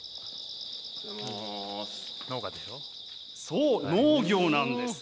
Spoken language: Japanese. そう農業なんです！